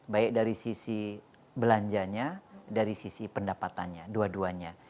baik dari sisi belanjanya dari sisi pendapatannya dua duanya